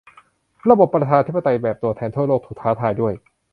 ระบบประชาธิปไตยแบบตัวแทนทั่วโลก ถูกท้าทายด้วย